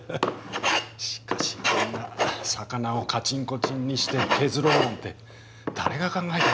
しかしこんな魚をカチンコチンにして削ろうなんて誰が考えたんだろう。